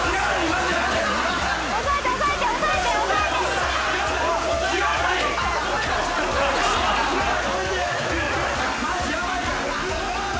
マジヤバいから。